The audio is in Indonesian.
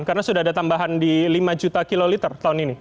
karena sudah ada tambahan di lima juta kiloliter tahun ini